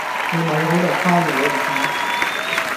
你咪喺度揩油呀吓